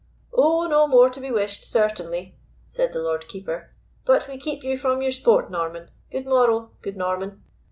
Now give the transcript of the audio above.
"Oh, no more to be wished, certainly," said the Lord Keeper; "but we keep you from your sport, Norman. Good morrow, good Norman."